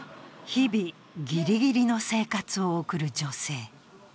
日々、ぎりぎりの生活を送る女性。